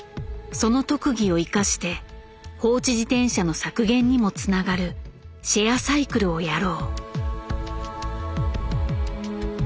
その特技を生かして放置自転車の削減にもつながるシェアサイクルをやろう。